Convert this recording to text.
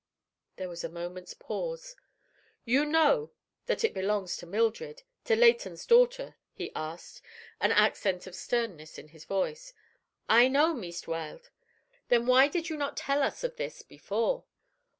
"All." There was a moment's pause. "You know now that it belongs to Mildred—to Leighton's daughter,—do you not?" he asked, an accent of sternness in his voice. "I know, Meest Weld." "Then why did you not tell us of this before?"